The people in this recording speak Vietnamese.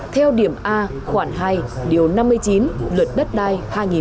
theo điểm a khoảng hai năm mươi chín luật đất đai hai nghìn một mươi ba